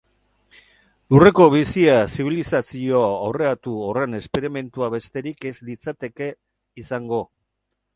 Lurreko bizia zibilizazio aurreratu horren esperimentua besterik ez litzateke izango.